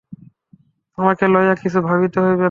আমাকে লইয়া কিছু ভাবিতে হইবে না।